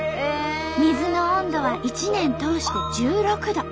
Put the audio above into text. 水の温度は一年通して１６度。